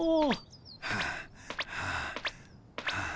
はあはあはあ。